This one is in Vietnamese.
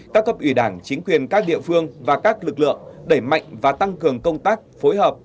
các cấp ủy đảng chính quyền các địa phương và các lực lượng đẩy mạnh và tăng cường công tác phối hợp